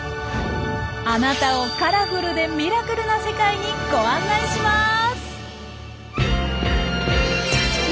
あなたをカラフルでミラクルな世界にご案内します！